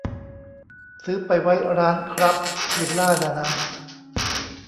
ซื้อไปไว้ร้านครับวิลล่าน่ะนะ